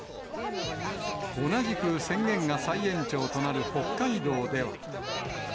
同じく宣言が再延長となる北海道では。